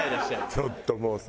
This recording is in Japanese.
ちょっともうさ。